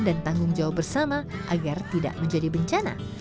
dan tanggung jawab bersama agar tidak menjadi bencana